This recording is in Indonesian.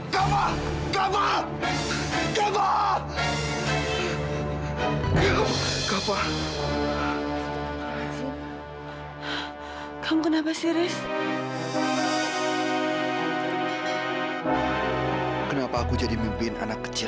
tahu berada di sadari